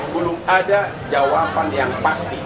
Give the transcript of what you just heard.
belum ada jawaban yang pasti